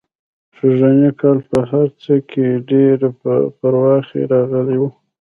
سږنی کال په هر څه کې ډېره پراخي راغلې وه.